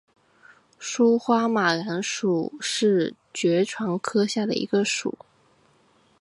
疏花马蓝属是爵床科下的一个属。